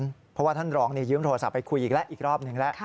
เพราะว่าท่านรองยืมโทรศัพท์ไปคุยอีกแล้วอีกรอบหนึ่งแล้ว